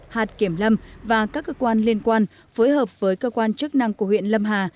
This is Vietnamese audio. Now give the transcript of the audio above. hạt kiểm lâm và các cơ quan liên quan phối hợp với cơ quan chức năng của huyện lâm hà